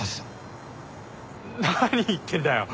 何言ってんだよ！